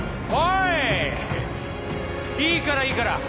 いいからいいから。